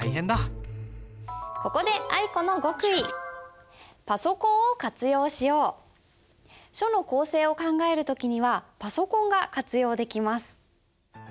ここで書の構成を考える時にはパソコンが活用できます。